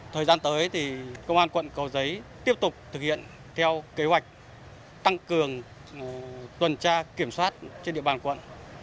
thời gian tới thì công an quận cầu giấy tiếp tục thực hiện theo kế hoạch tăng cường tuần tra kiểm soát trên địa bàn quận